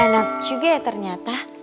enak juga ya ternyata